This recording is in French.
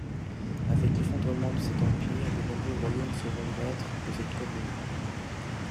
Avec l'effondrement de cet empire, de nombreux royaumes seront maîtres de cette commune.